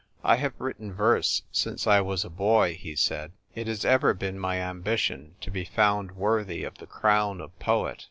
" I have written verse since I was a boy," he said. " It has ever been my ambition to be found worthy of the crown of poet.